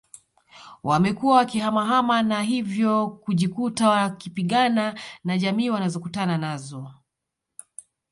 Wamekuwa wakihamahama na hivyo kujikuta wakipigana na jamii wanazokutana nazo